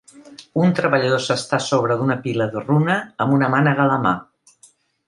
Un treballador s'està a sobre d'una pila de runa amb una mànega a la mà.